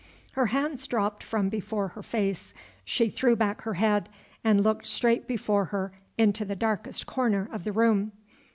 Her hands dropped from before her face. She threw back her head, and looked straight before her into the darkest corner of the room.